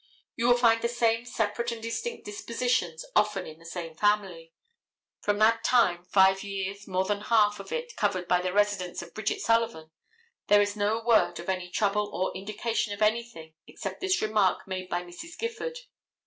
You will find the same separate and distinct dispositions often in the same family. From that time, five years, more than half of it covered by the residence of Bridget Sullivan, there is no word of any trouble or indication of anything except this remark made by Mrs. Gifford.